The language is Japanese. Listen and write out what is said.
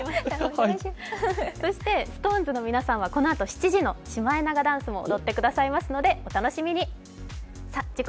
そして、ＳｉｘＴＯＮＥＳの皆さんは７時のシマエナガダンスも踊っていただきます、お楽しみに。